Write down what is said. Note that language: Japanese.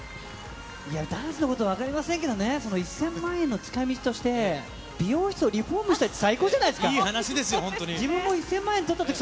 いや、ダンスのこと分かりませんけどね、１０００万円の使いみちとして、美容室をリフォームしたいって、最高じゃないですか。